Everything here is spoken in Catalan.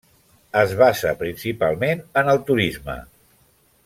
Es basa principalment en el turisme.